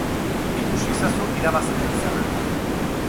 Ikus ezazu irabazleen zerrenda.